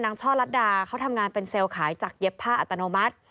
ช่อลัดดาเขาทำงานเป็นเซลล์ขายจากเย็บผ้าอัตโนมัติ